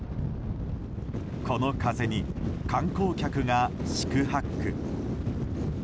この風に観光客が四苦八苦。